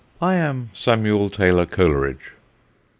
I am Samuel Taylor Coleridge."